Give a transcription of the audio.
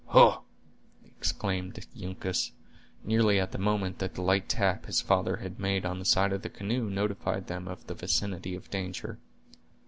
"Hugh!" exclaimed Uncas, nearly at the moment that the light tap his father had made on the side of the canoe notified them of the vicinity of danger.